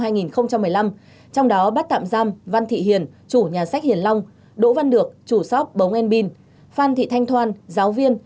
trong đó bắt tạm giam văn thị hiền chủ nhà sách hiền long đỗ văn được chủ shop bống en bin phan thị thanh thoan giáo viên